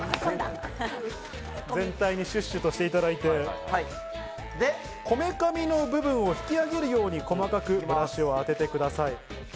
全体にシュッシュとしていただいて、こめかみの部分を引きあげるように細かくブラシを当ててください。